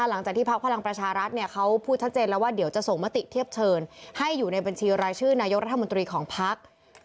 หลังจากที่พักพลังประชารัฐเนี่ยเขาพูดชัดเจนแล้วว่าเดี๋ยวจะส่งมติเทียบเชิญให้อยู่ในบัญชีรายชื่อนายกรัฐมนตรีของพัก